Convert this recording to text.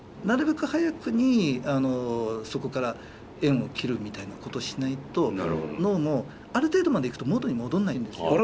なるべく早くにそこから縁を切るみたいなことしないと脳もある程度までいくと元に戻んないんですよ。